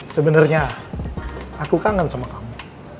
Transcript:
sebenarnya aku kangen sama kamu